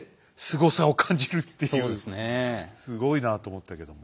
すごいなと思ったけども。